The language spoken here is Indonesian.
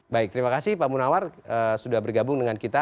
baik terima kasih pak munawar sudah bergabung dengan kita